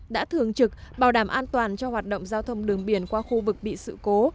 đã thường trực bảo đảm an toàn cho hoạt động giao thông đường biển qua khu vực bị sự cố